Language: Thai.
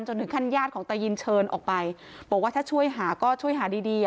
ถึงขั้นญาติของตายินเชิญออกไปบอกว่าถ้าช่วยหาก็ช่วยหาดีดีอ่ะ